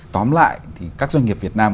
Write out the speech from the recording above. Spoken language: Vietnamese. tóm lại thì các doanh nghiệp việt nam